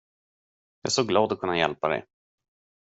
Jag är så glad att kunna hjälpa dig.